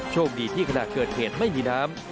โชคดีที่ขณะเกิดเหตุไม่มีน้ำ